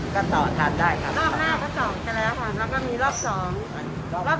ก็ต่อทันได้ครับ